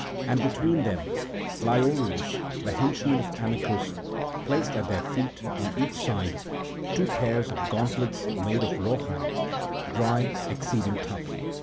And between them Lyeoreus, the henchman of Amycus, placed at their feet on each side two pairs of gauntlets made of raw hide, dry, exceeding tough.